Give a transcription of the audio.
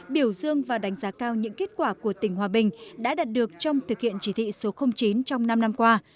biểu dương và đánh giá cao những kết quả của tỉnh hòa bình đã đạt được trong thực hiện chỉ thị số chín trong năm năm qua